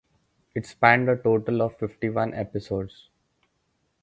It spanned a total of fifty-one episodes.